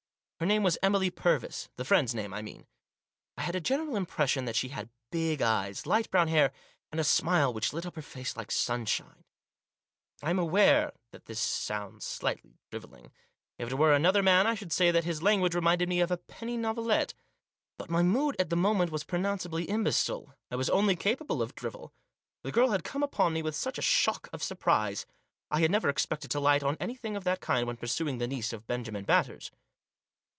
Her name was Emily Purvis — the friend's name, I mean. I had a general impression that she had big eyes, light brown hair, and a smile which lit up her face like sunshine. I am aware that Digitized by MY CLIENT— AND HER FRIEND. 183 this sounds slightly drivelling ; if it were another man I should say that his language reminded me of a penny novelette. But my mood at the moment was pronouncedly imbecile ; I was only capable of drivel. The girl had come upon me with such a shock of surprise. I had never expected to light on anything of that kind when pursuing the niece of Benjamin Batters.